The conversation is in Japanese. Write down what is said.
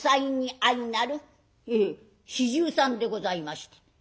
「へえ４３でございまして」。